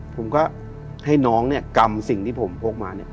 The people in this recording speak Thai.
ผมก็ให้น้องเนี่ยกำสิ่งที่ผมพกมาเนี่ย